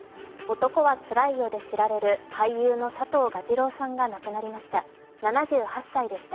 「男はつらいよ」で知られる俳優の佐藤蛾次郎さんが亡くなりました。